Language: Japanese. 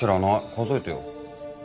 数えてよ。